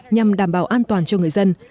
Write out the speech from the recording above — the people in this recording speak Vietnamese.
nhằm đảm bảo an toàn cho người dân